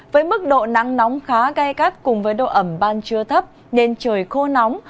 với mức độ nắng nóng khá gai gắt cùng với độ ẩm ban trưa thấp nên trời khô nóng